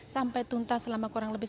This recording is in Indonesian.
sampai tuntas selama kurang lebih